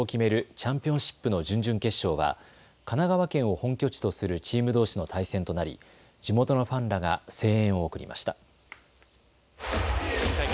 チャンピオンシップの準々決勝は神奈川県を本拠地とするチームどうしの対戦となり地元のファンらが声援を送りました。